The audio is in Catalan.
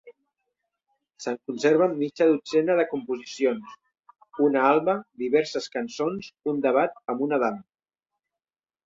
Se'n conserven mitja dotzena de composicions; una alba, diverses cançons, un debat amb una dama.